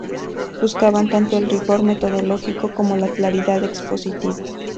Buscaban tanto el rigor metodológico como la claridad expositiva.